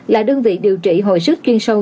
là đơn vị điều trị hồi sức chuyên sâu